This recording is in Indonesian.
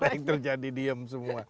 ada yang terjadi diem semua